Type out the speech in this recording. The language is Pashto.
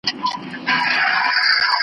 کارګه وویل خبره دي منمه .